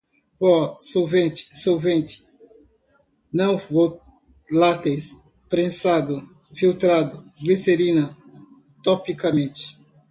pó, solventes, solvente, não voláteis, prensado, filtrado, glicerina, topicamente